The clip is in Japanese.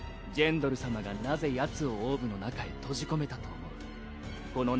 ジェンドル様がなぜヤツをオーブの中へ閉じ込めたと思う？